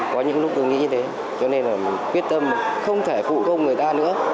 có những lúc tôi nghĩ như thế cho nên là mình quyết tâm không thể phụ công người ta nữa